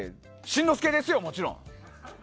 しんのすけですよ、もちろん！